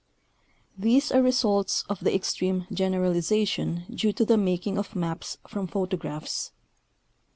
These are re sults of the extreme generalization due to the making of maps from photographs.